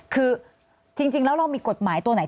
คือจริงแล้วเรามีกฎหมายตัวไหน